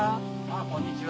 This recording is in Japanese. あこんにちは。